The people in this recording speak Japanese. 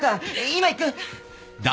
今行く。